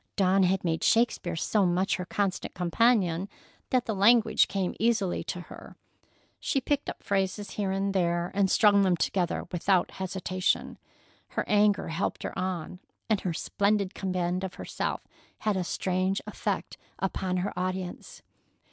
Dawn had made Shakespeare so much her constant companion that the language came easily to her. She picked up phrases here and there and strung them together without hesitation. Her anger helped her on, and her splendid command of herself had a strange effect upon her audience.